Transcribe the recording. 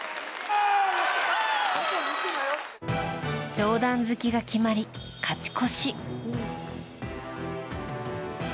上段突きが決まり勝ち越し。